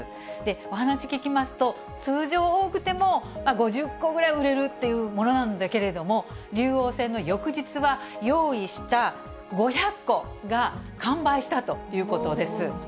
お話聞きますと、通常、多くても５０個ぐらい売れるっていうものなんだけれども、竜王戦の翌日は、用意した５００個が完売したということです。